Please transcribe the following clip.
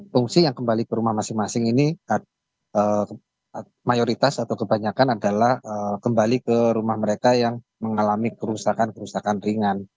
pengungsi yang kembali ke rumah masing masing ini mayoritas atau kebanyakan adalah kembali ke rumah mereka yang mengalami kerusakan kerusakan ringan